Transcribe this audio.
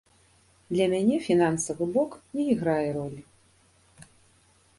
Для мяне фінансавы бок не іграе ролі.